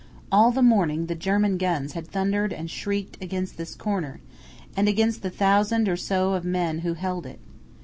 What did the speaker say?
All the morning the German guns had thundered and shrieked against this corner, and against the thousand or so of men who held it.